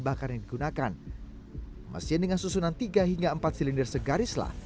bahan bakar yang digunakan mesin dengan susunan tiga hingga empat silinder segaris lah